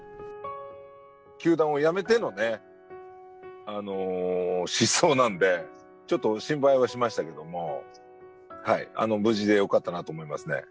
球団を辞めてのね、失踪なんで、ちょっと心配はしましたけども、無事でよかったなと思いますね。